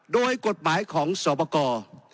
โดยกฎหมายของสวบกร